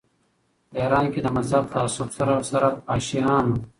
په ایران کې د مذهبي تعصب سره سره فحاشي عامه وه.